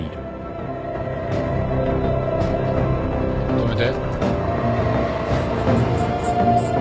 止めて。